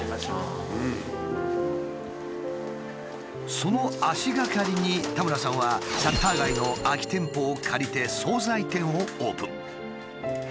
その足がかりに田村さんはシャッター街の空き店舗を借りて総菜店をオープン。